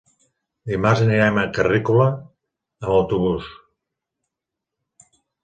Dimarts anirem a Carrícola amb autobús.